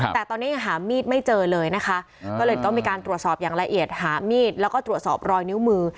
แต่ตอนนี้ยังหามีดไม่เจอเลยนะคะก็เลยต้องมีการตรวจสอบอย่างละเอียดหามีดแล้วก็ตรวจสอบรอยนิ้วมือ